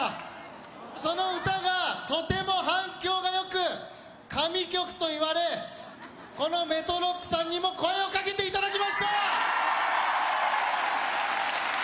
その歌がとても反響が良く神曲と言われこの「ＭＥＴＲＯＣＫ」さんにも声をかけていただきました！